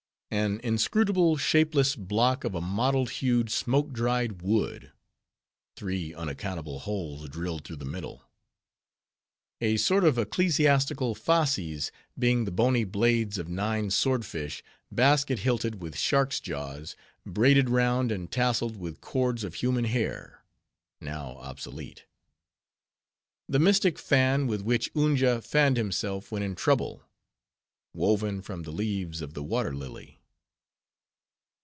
An inscrutable, shapeless block of a mottled hued, smoke dried wood. (Three unaccountable holes drilled through the middle). A sort of ecclesiastical Fasces, being the bony blades of nine sword fish, basket hilted with shark's jaws, braided round and tasseled with cords of human hair. (Now obsolete). The mystic Fan with which Unja fanned himself when in trouble. (Woven from the leaves of the Water Lily).